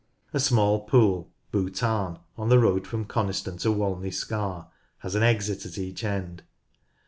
A small pool, Boo Tarn, on the road from Coniston to Walney Scar, has an exit at each end.